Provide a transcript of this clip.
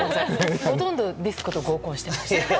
ほとんどディスコと合コンをしていました。